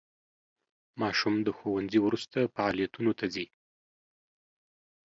ماشوم د ښوونځي وروسته فعالیتونو ته ځي.